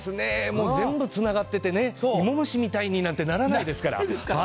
全部つながっていて芋虫みたいにならないですから。